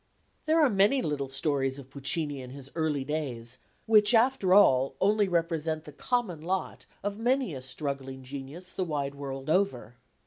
There are many little stories of Puccini in his early days, which, after all, only represent the common lot of many a struggling genius the wide world over.